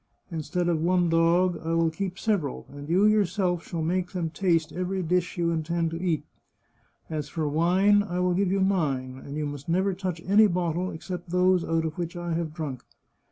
Instead of one dog, I will keep several, and you yourself shall make them taste every dish you intend to eat. As for wine, I will give you mine, and you must never touch any bottle except those out of which I have drunk.